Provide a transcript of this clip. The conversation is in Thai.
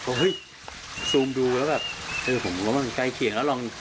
โอ้เฮ่ยซูมดูแล้วแบบผมรู้ว่ามันใกล้เคียง